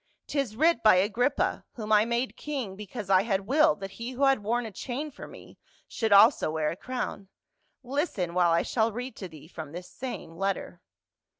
'Tis writ by Agrippa, whom I made king because I had willed that he who had worn a chain for me should also wear a crown. Listen, while I shall read to thee from this same letter.